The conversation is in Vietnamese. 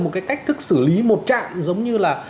một cái cách thức xử lý một trạm giống như là